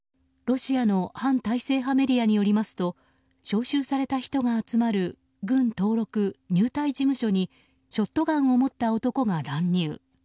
ロシアの反体制派メディアによりますと招集された人が集まる軍登録・入隊事務所にショットガンを持った男が乱入。